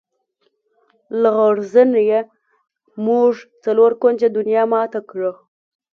لغړزنیه! موږ څلور کونجه دنیا ماته کړه.